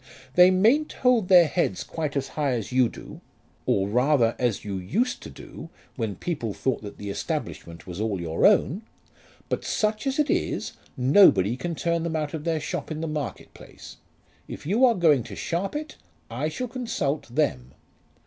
"They mayn't hold their heads quite as high as you do, or rather as you used to do when people thought that the establishment was all your own; but such as it is nobody can turn them out of their shop in the Market place. If you are going to Sharpit, I shall consult them."